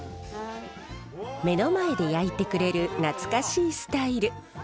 目の前で焼いてくれる懐かしいスタイル。